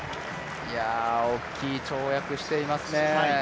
大きい跳躍していますね。